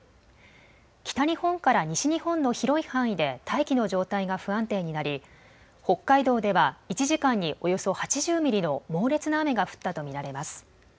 北日本から西日本の広い範囲で大気の状態が不安定になり北海道では１時間におよそ８０ミリの猛烈な雨が降ったと見られます。